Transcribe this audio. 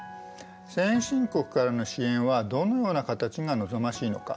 先進国からの支援はどのような形が望ましいのか。